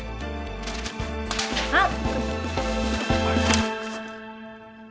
あっ！？